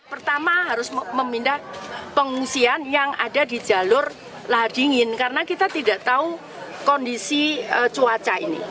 pertama harus memindah pengungsian yang ada di jalur lahar dingin karena kita tidak tahu kondisi cuaca ini